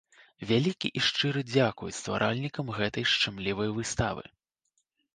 Вялікі і шчыры дзякуй стваральнікам гэтай шчымлівай выставы!